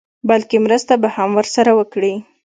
بلکې مرسته به هم ورسره وکړي.